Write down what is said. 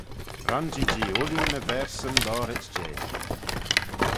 Ronsee-jee ooilley ny verseyn loayrit jeh.